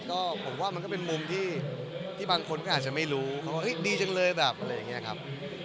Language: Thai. ก็ผมว่ามันก็เป็นมุมที่บางคนก็อาจจะไม่รู้เขาว่าดีจังเลยแบบอะไรอย่างนี้ครับ